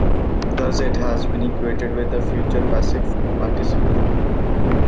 Thus it has been equated with a future passive participle.